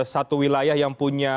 sebuah wilayah yang punya